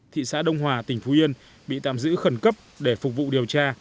thị xã đông hòa tỉnh phú yên bị tạm giữ khẩn cấp để phục vụ điều tra